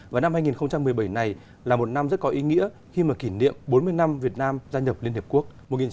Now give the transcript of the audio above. và năm hai nghìn một mươi bảy này là một năm rất có ý nghĩa khi mà kỷ niệm bốn mươi năm việt nam gia nhập liên hiệp quốc